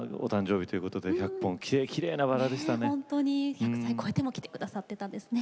１００歳超えても来て下さってたんですね。